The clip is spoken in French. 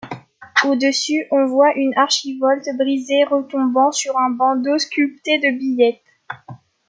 Au-dessus on voit une archivolte brisée retombant sur un bandeau sculpté de billettes.